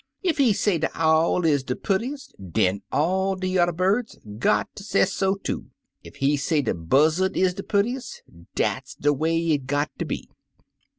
Ef he say de owl is de pur tiest, den all de yuther birds got ter sesso too; ef he say de buzzard is de purtiest, dat's de way it got ter be.